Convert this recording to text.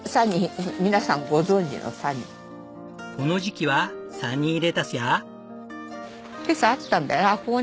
この時期はサニーレタスや。